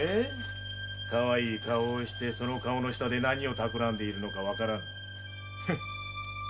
かわいい顔をしてその顔の下で何を企んでいるのかわからぬ。